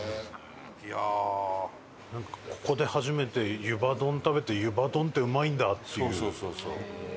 ここで初めて湯葉丼、食べて湯葉丼ってうまいんだっていう。